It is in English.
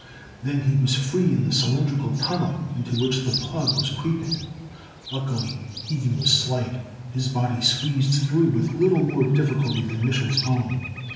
Then he was free in the cylindrical tunnel into which the plug was creeping. Luckily, Ilgen was slight. His body squeezed through with little more difficulty than Mich'l's own.